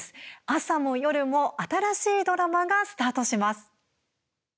朝も夜も新しいドラマがスタートします。